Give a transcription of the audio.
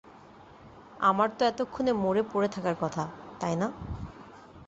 আমার তো এতক্ষণে মরে পড়ে থাকার কথা, তাই না?